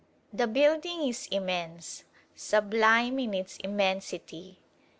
The building is immense, sublime in its immensity.